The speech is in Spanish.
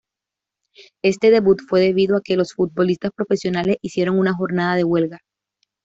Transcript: Este debut fue debido a que los futbolistas profesionales hicieron una jornada de huelga.